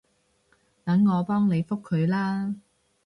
等我幫你覆佢啦